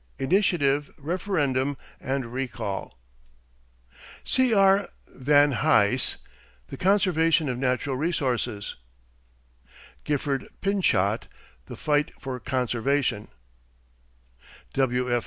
Initiative, Referendum, and Recall. C.R. Van Hise, The Conservation of Natural Resources. Gifford Pinchot, The Fight for Conservation. W.F.